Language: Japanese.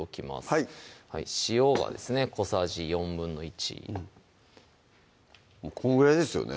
はい塩がですね小さじ１／４このぐらいですよね